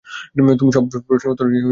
তুমি সব প্রশ্নের উত্তর হ্যাঁ দিয়েছিলে।